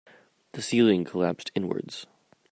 The ceiling collapsed inwards.